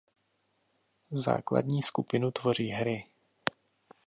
Základní skupinu tvoří hry.